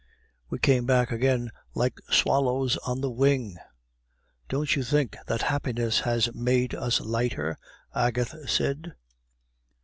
We came back again like swallows on the wing. 'Don't you think that happiness has made us lighter?' Agathe said.